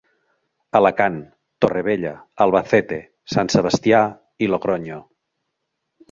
Alacant, Torrevella, Albacete, Sant Sebastià i Logronyo.